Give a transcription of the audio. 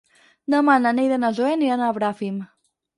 Demà na Neida i na Zoè aniran a Bràfim.